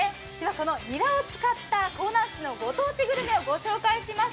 このニラを使った香南市の御当地グルメを紹介します。